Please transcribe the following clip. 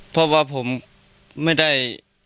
เพราะว่าผมไม่ได้